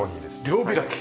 両開き。